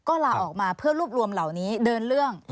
ก็ลาออกมาเพื่อรวบรวมเหล่านี้เดินเรื่อง